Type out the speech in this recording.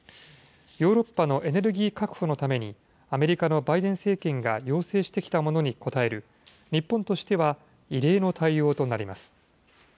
ヨーロッパのエネルギー確保のために、アメリカのバイデン政権が要請してきたものに応える、日本としては異例の対応となります。